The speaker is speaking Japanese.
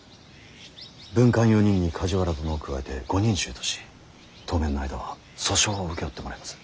文官４人に梶原殿を加えて５人衆とし当面の間は訴訟を請け負ってもらいます。